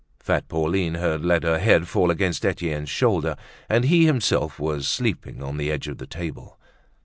Fat Pauline had let her head fall against Etienne's shoulder, and he himself was sleeping on the edge of the table.